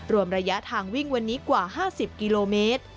รวมระยะทางวิ่งวันนี้กว่า๕๐กิโลเมตร